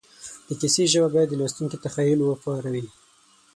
د کیسې ژبه باید د لوستونکي تخیل وپاروي